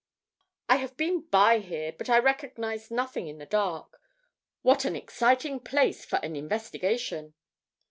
"I have been by here, but I recognized nothing in the dark. What an exciting place for an investigation!"